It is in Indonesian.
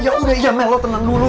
ya udah ya mel lo tenang dulu